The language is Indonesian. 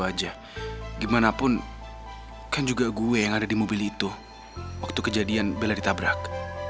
aja gimanapun kan juga gue yang ada di mobil itu waktu kejadian bella ditabrak